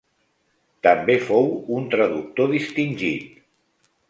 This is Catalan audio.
També fou un traductor distingit.